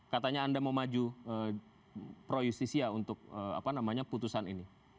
katanya anda mau maju pro justisia untuk putusan ini